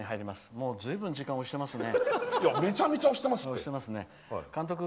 もうずいぶん時間押してますね。